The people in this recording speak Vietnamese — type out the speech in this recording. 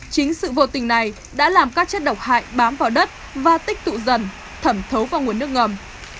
chính sự vô tình này đã làm các chất độc hại bám vào đất và tích tụ dần thẩm thấu vào nguồn nước ngầm